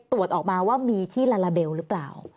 ตรวจออกมาว่ามีที่ลาลาเบลหรือเปล่า